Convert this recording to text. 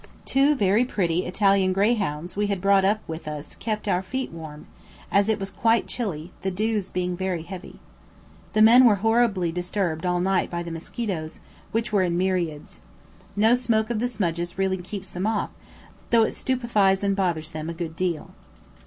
Two very pretty Italian greyhounds we had brought up with us kept our feet warm, as it was quite chilly, the dews being very heavy. The men were horribly disturbed all night by the mosquitoes, which were in myriads. No smoke of the smudges really keeps them off, though it stupifies and bothers them a good deal.